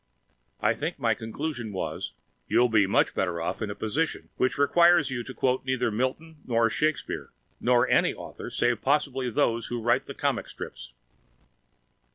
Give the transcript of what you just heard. I think my conclusion was, "You'll be much better off in a position which requires you to quote neither Milton nor Shakespeare nor any author save possibly those who write the comic strips."